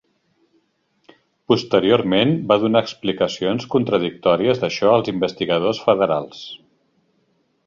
Posteriorment, va donar explicacions contradictòries d'això als investigadors federals.